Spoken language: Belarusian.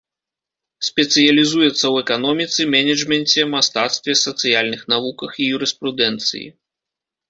Спецыялізуецца ў эканоміцы, менеджменце, мастацтве, сацыяльных навуках і юрыспрудэнцыі.